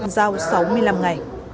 giao sáu mươi năm ngày